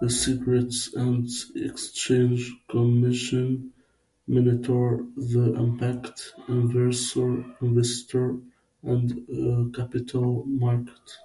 The Securities and Exchange Commission monitors the impact on investors and capital markets.